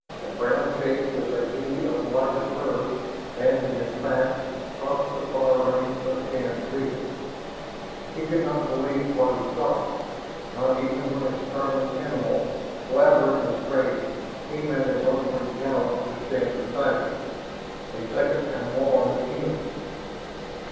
A brown shape with a V of lighter fur banding its back crossed the far range of Shann's vision. He could not believe what he saw, not even when a snarling animal, slavering with rage, came at a lumbering gallop to stand beside him, a second animal on its heels.